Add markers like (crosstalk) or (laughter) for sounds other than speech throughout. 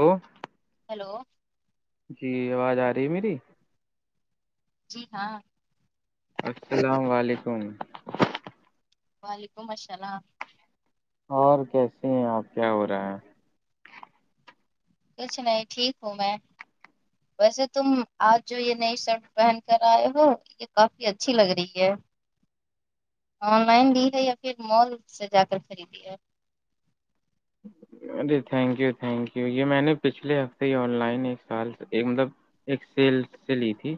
ہل ہیلو جی آواز آ رہی ہے میری جی ہاں السلام علیکم وعلیکم السلام اور کیسے ہیں آپ کیا ہو رہا ہے کچھ نہیں ٹھیک ہوں میں ویسے تم آج جو یہ نئی شرٹ پہن کر آئے ہو یہ کافی اچھی لگ رہی ہے آن لائن بھی ہے یا پھر مال سے جا کر خریدی ہے ارے تھینک یو تھینک یو یہ میں نے پچھلے ہفتے ہی آن لائن ایک سال ایک مطلب ایک سیل سے لی تھی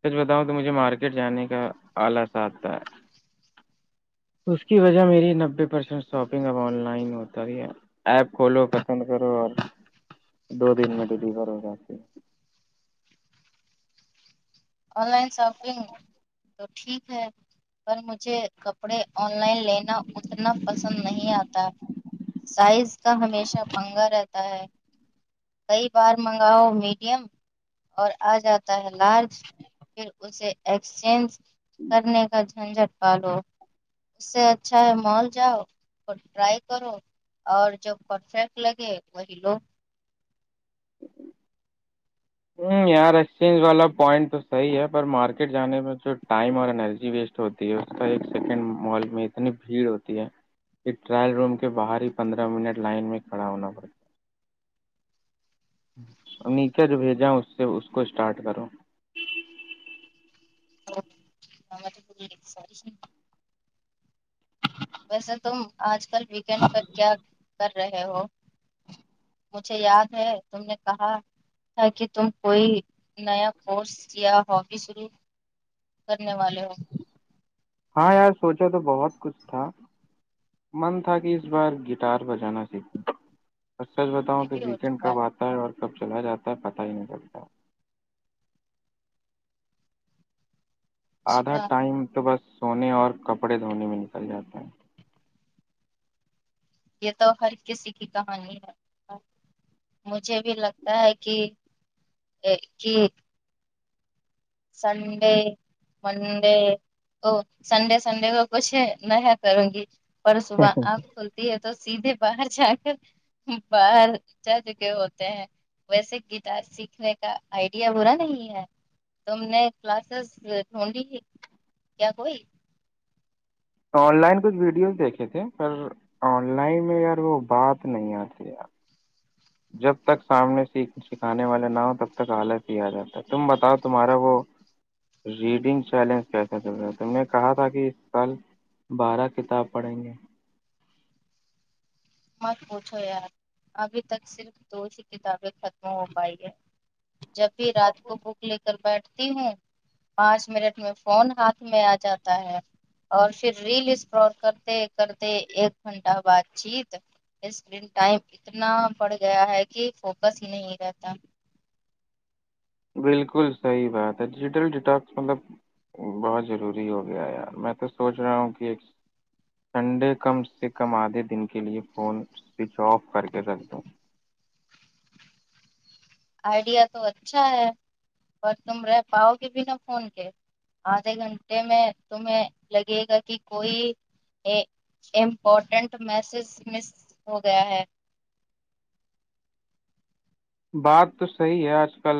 سچ بتاؤں تو مجھے مارکیٹ جانے کا آلس آتا ہے اس کی وجہ میری نبے پرسنٹ شاپنگ اب آن لائن ہوتا ہی ہے ایپ کھولو پسند کرو اور دو دن میں ڈی کرو گ آن لائن شاپنگ تو ٹھیک ہے پر مجھے کپڑے آن لائن لینا اتنا پسند نہیں آتا سائز کا ہمیشہ پنگا رہتا ہے کئی بار منگاؤ میڈیم اور آ جاتا تحلاج پھر اسے ایکسچینج کرنے کا جو جھنجھٹ پالو اس سے اچھا ہے مال جاؤ اور ٹرائی کرو اور جو پرفیکٹ لگے وہی لو جی وں یار ایکسچینج والا پوائنٹ تو صحیح ہے پر مارکیٹ جانے میں جو ٹائم اور انرجی ویسٹ ہوتی ہے اس کا ایک سیکنڈ مال میں اتنی بھیڑ ہوتی ہے ایک ٹرائل روم کے باہر ہی پندرہ منٹ لائن میں کھڑا ہونا پڑتا ا نیچا جو بھیجا اس سے اس کو اسٹارٹ کرو (unintelligible) ویسے تم آج کل ویکینڈ پر کیا کر رہے ہو مجھے یاد ہے تم نے کہا ت کہ تم کوئی نیا کورس یا ہابی شرو کرنے والے ہ ہاں یار سوچو تو بہت کچھ تھا من تھا کہ اس بار گٹار بجانا سیکھو اور سچ بتاؤں یہ تو بھی ہو ویکینڈ چکا کب آتا ہے اور کب چلا جاتا ہے پتا ہی نہیں چلتا آدھا ہے ٹائم تو بس سونے اور کپڑے دھونے میں نکل جاتے ہیں یہ تو ہر کسی کی کہانی ہے مجھے بھی لگتا ہے کہ کی سنڈے منڈے تو سنڈے سنڈے کو کچھ میں ہے کروں گی پرسب آپ ک تو سیدھے باہر جا کر باہر جا چکے ہوتے ہیں ویسے گٹار سیکھنے کا آئیڈیا برا نہیں ہے تم نے کلاسز ڈھونڈی کیا کوئی آن لائن کچھ ویڈیوز دیکھے تھے پر آن لائن میں یار وہ بات نہیں آتی جب تک سامنے سیکھ سکھانے والے نہ ہو تب تک حالت ہی آ جاتا ہے تم بتاؤ تمہارا وہ ریڈنگ چیلنج کیسےے تم نے کہا تھا کہ اس سال بارہ کتاب پڑھیں گے مت پوچھو یار ابھی تک صرف دو ہیی کتابیں ختم ہو پائی ہے جب بھی رات کو بک لے کر بیٹھتی ہوں پانچ منٹ میں فون ہاتھ میں آ جاتا ہے اور پھر ریل اس پر کرتے کرتے ایک گھنٹہ بات چیت اسکرین ٹائم اتنا بڑ گیا ہے کہ فوکس ہی نہیں رہتا بالکل صحیح بات ہے ڈیجیٹل ڈٹاکس مطلب بہت ضروری ہو گیا یار میں تو سوچ رہا ہوں کہ ایک سنڈے کم سے کم آدھے دن کے لیے فون سوئچ آف کر کے رکھ دو آئیڈیا تو اچھا ہے اور تم رہ پاؤ گے بنا فون کے آدھے گھنٹے میں تمہیں لگے گا کہ کوئی ا امپورٹنٹ میسج مس ہو گیا ہے بات تو صحیح ہے آج کل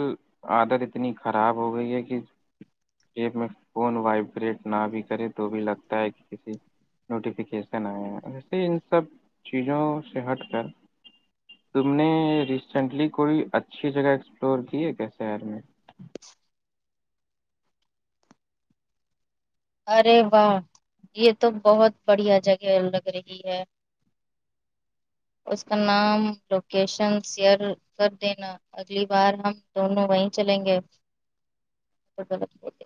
عادت اتنی خراب ہو گئی ہے کہ میں فون وائبریٹ نہ بھی کرے تو بھی لگتا ہے کہ کسی نوٹیفیکیشن آئے ویسے ان سب چیزوں سے ہٹ کر تم نے ریسینٹلی کوئی اچھی جگہ ایکسپلور کی ہے کیا شہر میں ارے واہ یہ تو بہت بڑھیا جگہ لگ رہی ہے (unintelligible) اس کا نام لوکیشن شیئر کر دینا اگلی بار ہم دونوں وہیں چلیں گے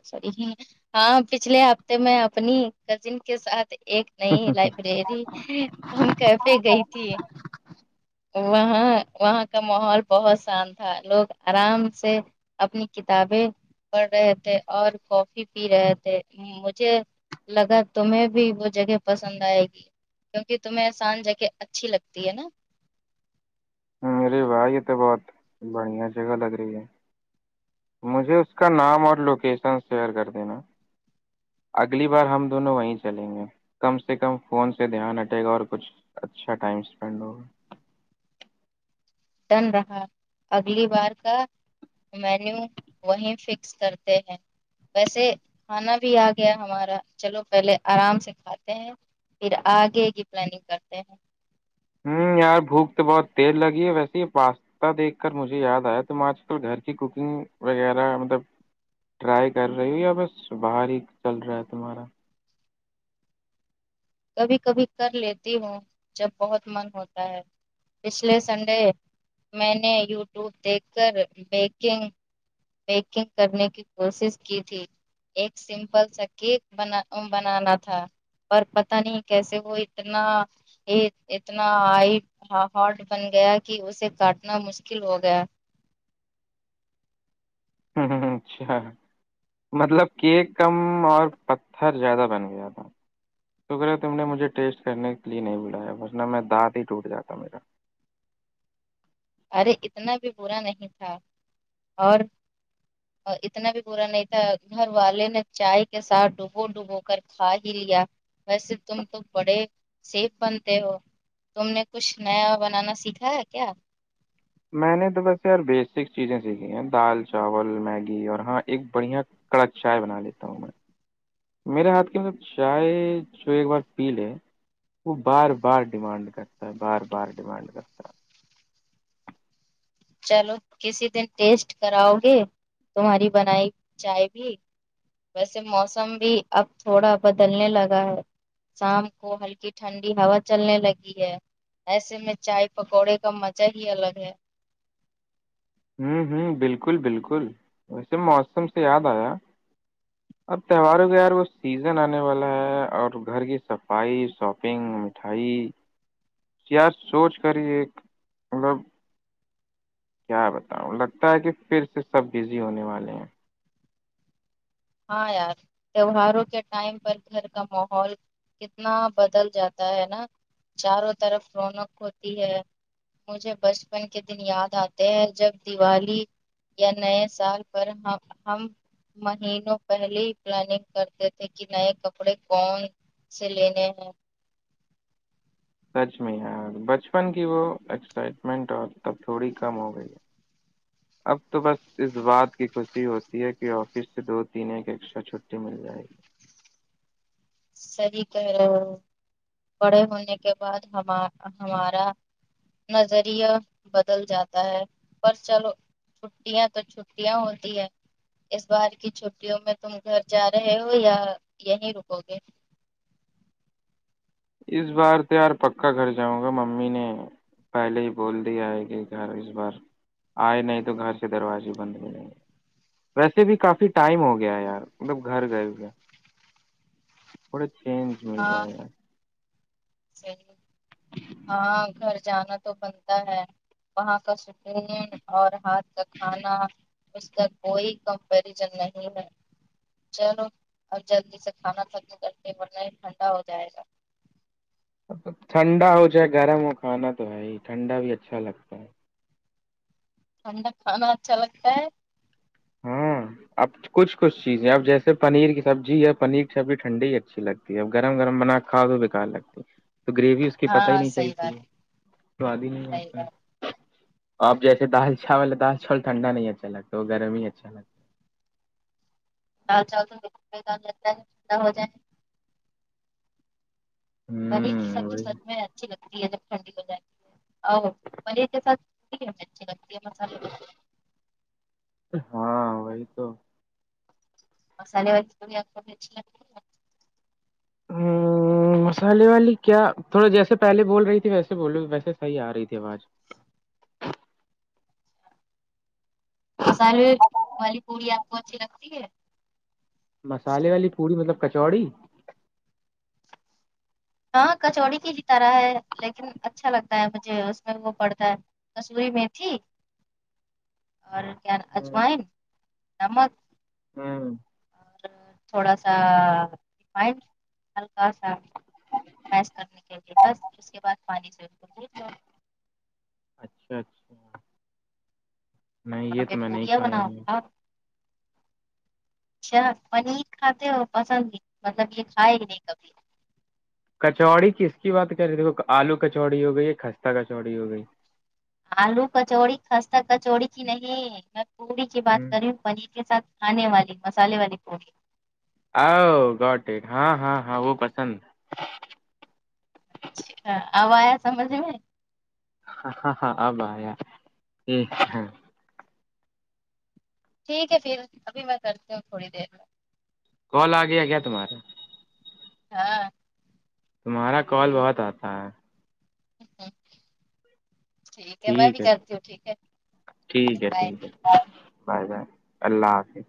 س ہاں پچھلے ہفتے میں اپنی کزن کے ساتھ ایک نئی لائبریری ہم کیفے گئی تھی وہاں وہاں کا ماحول بہت شان تھا لوگ آرام سے اپنی کتابیں پڑھ رہے تھے اور کافی پی رہے تھے مجھے لگا تمہیں بھی وہ جگہ پسند آئے گی کیونکہ تمہیں سان جگہ اچھی لگتی ہے نا میرے بھائی یہ تو بہت بڑھیا جگہ لگ رہی ہے مجھے اس کا نام اور لوکیشن شیئر کر دینا اگلی بار ہم دونوں وہیں چلیں گے کم سے کم فون سے دھیان ہٹے گا اور کچھ اچھا ٹائم اسپینڈ ہوگا ٹن رہا اگلی بار کا مینیو وہی فکس کرتے ہیں ویسے کھانا بھی آ گیا ہمارا چلو پہلے آرام سے کھاتے ہیں پھر آگے کی پلاننگ کرتے ہیں ہوں یارھوک تو بہت تیز لگی ہے ویسے ہی پاس کتا دیکھ کر مجھے یاد آیا تم آج کل گھر کی کوکنگ وغیرہ مطلب ٹرائی کر رہی ہوں یا بس باہر ہی چل رہا ہے تمہارا کبھی کبھی کر لیتی ہوں جب بہت من ہوتا ہے پچھلے سنڈے میں نے یوٹیوب دیکھ کر بیکنگ پیکنگ کرنے کی کوشش کی تھی ایک سمپل سا کیک بنا بنانا تھا پر پتا نہیں کیسے وہ اتنا یہ اتنا ہائی ہارٹ بن گیا کہ اسے کاٹنا مشکل ہو گیا ہوں ہ ہ اچھا ہاں ہ مطلب کیک کم اور پتھر زیادہ بن گیا تھا شکر ہے تم نے مجھے ٹیسٹ کرنے کے لیے نہیں بلایا بس ن میں دانت ہی ٹوٹ جاتا میرا ارے اتنا بھی برا نہیں تھا اور (unintelligible) اتنا بھی برا نہیں تھا گھر والے نے چائے کے ساتھ ڈوبو ڈوبو کر کھا ہی لیا ویسے تم تو بڑے سیف بنتے ہو تم نے کچھ نیا بنانا سیکھا ہے کیا میں نے تو بس یار بیسک چیزیں سیکھی ہیں دال چاول میگی اور ہاں ایک بڑھیا کڑک چائے بنا لیتا ہوں میں میرے ہاتھ کے اندر چائے جو ایک بار پی لے وہ بار بار ڈیمانڈ کرتا ہے بار بار ڈیمانڈ کرتا ہے چلو کسی دن ٹیسٹ کراؤ گے تمہاری بنائی چائے بھی ویسے موسم بھی اب تھوڑا بدلنے لگا ہے شام کو ہلکی ٹھنڈی ہوا چلنے لگی ہے ایسے میں چائے پکوڑے کا مزہ ہی الگ ہے ہوں ہوں بالکل بالکل ویسے موسم سے یاد آیا اب تہواروں کے یار وہ سیزن آنے والا ہے اور گھر کی صفائی شاپنگ مٹھائی یا سوچ کر ہی ایک مطلب کیا بتاؤں لگتا ہے کہ پھر سے سب بزی ہونے والے ہیں ہاں یار تیوہاروں کے ٹائم پر گھر کا ماحول کتنا بدل جاتا ہے نا چاروں طرف رونق ہوتی ہے مجھے بچپن کے دن یاد آتے ہیں جب دیوالی یا نئے سال پر ہم ہم مہینوں پہلے ہی پلاننگ کرتے تھے کہ نئے کپڑے کون سے لینے ہیں سچ میں یار بچپن کی وہ ایکسائٹمنٹ اور تب تھوڑی کم ہو گئی ہے (inaudible) اب تو بس اس بات کی خوشی ہوتی ہے کہ آفس سے دو تین ایک ایکسٹرا چھٹی مل جائے گی صحیح کہہ رہے ہو بڑے ہونے کے بعد ہم ہمارا نظریہ بدل جاتا ہے پر چلو چھٹیاں تو چھٹیاں ہوتی ہے اس بار کی چھٹیوں میں تم گھر جا رہے ہو یا یہیں رکو گے ا (inaudible) اس بار تو یار پکا گھر جاؤں گا ممی نے پہلے ہی بول دیا ہے کہ گھر اس بار آئے نہیں تو گھر سے دروازے بند ہو جیں گے ویسے بھی کافی ٹائم ہو گیا ہے یار مطلب گھر گھر گئے تھوڑا چینج مل جائے گا صیح ہاں گھر جانا تو بنتا ہے وہاں کا سٹریین اور ہاتھ کا کھانا اس کا کوئی کمپریزن نہیں ہے چلو اب جلدی سے کھانا تھکم کر کے ورنہ ہی ٹھنڈا ہو جائے گا ٹھنڈا ہو جائے گرم ہو کھانا تو بھائی ٹھنڈا بھی اچھا لگتا ہے ٹھنڈا کھانا اچھا لگتا ہے ہاں آپ کچ کچھ چیزیں اب جیسے پنیر کی سبزی ہے پنیر کی سبزی ٹھنڈی ہی اچھی لگتی اب گرم گرم بنا کے کھا تو بیکار لگتی تو گریوی اس کی پت ہی ہاں نہیں صحیح چلتی ہے بات سواد ہی نہیں صحیح بات آتا اب جیسے دال چاول دال چاول ٹھنڈا نہیں اچھا لگتا گرم ہی اچھا لگتا آ چ توا ہو جائے ب ہوں سبزی وہی سچ میں اچھی لگتی ہے جب ٹھنڈی ہو جائے او پن ساتچ لگتے مسالے ہاں وہی تو مصالے وال آچگ ہاں مسالے والی کیا تھوڑا جیسے پہلے بول رہی تھی ویسے بولو ویسےحی آ رہی تھی آواز مسالے والی پوڑی آپ کو اچھی لگتی ہے مسالے والی پوڑی مطلب کچوڑی ہاں کچوڑی کی ہی طرح ہے لیکن اچھا لگتا ہے مجھے اس میں وہ پڑتا ہے کسورئی میں تھی (inaudible) اور کیا ن ہ اجوائن نمک ہاں (unintelligible) تھوڑا سا رفائنڈ ہلکا سا س کرنے کے لیے بس اس کے بعد پانی سے ج اچھا اچھا (unintelligible) نہیں یہ پھر تو میں نہیں پڑیا کھایا بناؤ ہوں تھا اچھا پنیر کھاتے ہو پسند ہی مطلب یہ کھائے ہی نہیں کبھی کچوڑی کس کی بات کر رہے دیکھو آلو کچوڑی ہو گئی کستہ کچوڑی ہو گئی آلو کچوڑی خستہ کچوڑی کی نہیں میں پوڑی کی بات کر رہی ہوں پنیر کے ساتھ کھانے والی مسالے والی پوڑی آؤ گاٹڈ ہاں ہاں ہاں وہ پسند اچھا آب آیا سمجھ میں ہ ہاں ہاں آب ہ ہاں ٹھیک ہے پھر ابھی میں کرتی ہوں تھوڑی دیر میں کال آ گیا گیا تہارے ہاں تمہارا کال بہت آتا ہے ہ ٹھیک ہے میں بھی کرتی ہوں ٹھیک ہے ٹھیک ہے بائے ٹھیک ہے بائے بائے اللہ حافظ